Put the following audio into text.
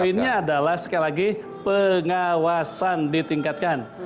poinnya adalah sekali lagi pengawasan ditingkatkan